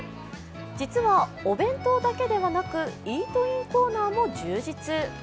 実はお弁当だけではなくイートインコーナーも充実。